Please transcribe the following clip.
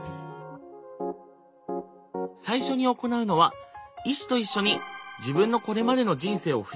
最初に行うのは医師と一緒に自分のこれまでの人生を振り返ること。